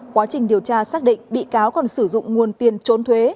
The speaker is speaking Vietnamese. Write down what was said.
quá trình điều tra xác định bị cáo còn sử dụng nguồn tiền trốn thuế